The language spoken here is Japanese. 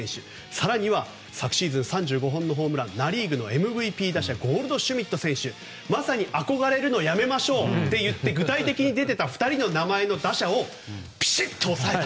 更には昨シーズン３５本のホームランナ・リーグのＭＶＰ打者ゴールドシュミット選手まさに憧れるのをやめましょうって言って具体的に出ていた２人の名前の打者をぴしっと抑えた。